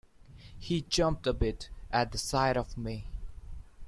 He jumped a bit at the sight of me.